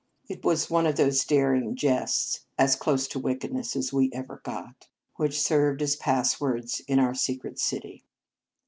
It was one of i55 In Our Convent Days those daring jests (as close to wicked ness as we ever got) which served as passwords in our secret city.